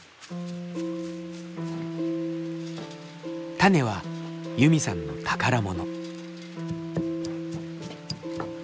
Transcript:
種はユミさんの宝物。